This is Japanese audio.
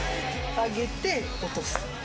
上げて、落とす。